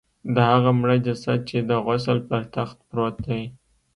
د هغه مړه جسد چې د غسل پر تخت پروت دی.